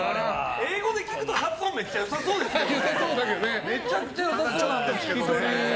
英語で聞くと発音めっちゃ良さそうですけどね。